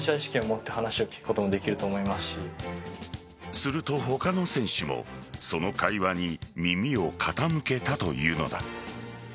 すると他の選手もその会話に耳を傾けたというのだ。